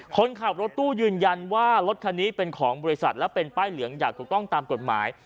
คนขับรถตู้ยืนยันว่ารถคันนี้เป็นของบริษัทและเป็นป้ายเหลืองอย่างถูกต้องตามกฎหมาย